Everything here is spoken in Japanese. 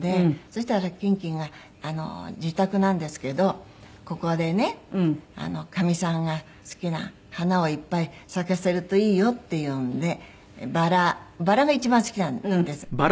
そしたらキンキンが自宅なんですけどここでね「かみさんが好きな花をいっぱい咲かせるといいよ」って言うんでバラバラが一番好きなんです中でも。